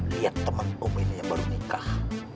lihat teman om ini yang baru nikah